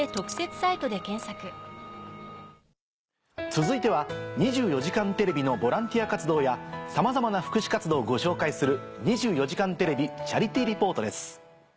続いては『２４時間テレビ』のボランティア活動やさまざまな福祉活動をご紹介する。